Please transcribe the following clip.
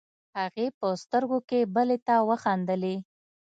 هغې په سترګو کې بلې ته وخندلې.